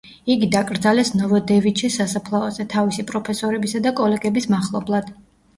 იგი დაკრძალეს ნოვოდევიჩის სასაფლაოზე, თავისი პროფესორებისა და კოლეგების მახლობლად.